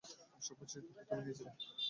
সবকিছুর সিদ্ধান্ত তুমি নিয়েছিলে।